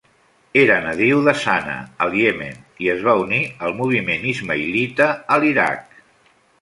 Era nadiu de Sana al Iemen i es va unir al moviment ismaïlita a l'Iraq.